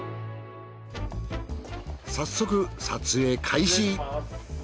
早速撮影開始。